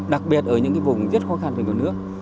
đặc biệt ở những vùng rất khó khăn về nguồn nước